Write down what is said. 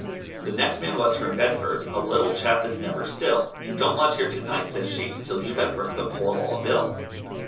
The next man was from Bedford, A little chap that's never still, You don't lodge here to night says she, 'Till you have burnt the Poor Law Bill.